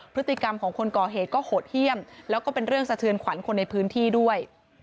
พฤติกรรมของคนก่อเหตุก็โหดเยี่ยมแล้วก็เป็นเรื่องสะเทือนขวัญคนในพื้นที่ด้วย